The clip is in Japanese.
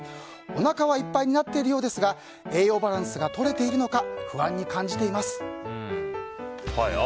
おなかはいっぱいになっているようですが栄養バランスが取れているのか不安に感じています。